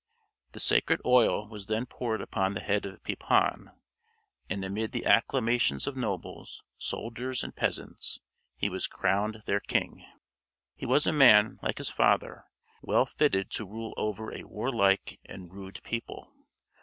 The sacred oil was then poured upon the head of Pepin, and amid the acclamations of nobles, soldiers, and peasants, he was crowned their king. He was a man, like his father, well fitted to rule over a warlike and rude people.